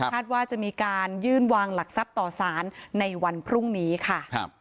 ว่าจะมีการยื่นวางหลักทรัพย์ต่อสารในวันพรุ่งนี้ค่ะ